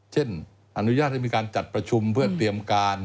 เช่นอนุญาตให้มีการจัดประชุมเพื่อเตรียมการ